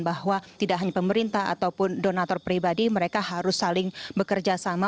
bahwa tidak hanya pemerintah ataupun donator pribadi mereka harus saling bekerja sama